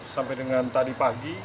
sampai dengan tadi pagi